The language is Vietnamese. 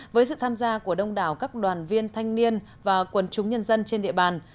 với sự tham gia của đông đảo các đoàn viên thanh niên và quần chúng nhân dân trên địa bàn